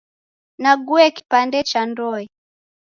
Nague kipande cha ndoe.